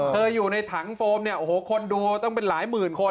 อยู่ในถังโฟมเนี่ยโอ้โหคนดูต้องเป็นหลายหมื่นคน